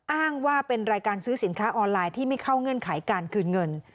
อ้างว่าเป็นรายการซื้อสินค้าออนไลน์ที่ไม่เข้าเงื่อนไขการคืนเงิน